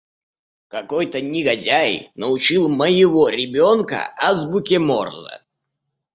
Какой-то негодяй научил моего ребёнка азбуке Морзе.